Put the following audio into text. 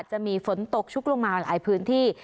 จะมีฝนตกชุกลงมาหลายพื้นที่